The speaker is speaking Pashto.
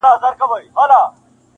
چا ته دم چا ته دوا د رنځ شفا سي,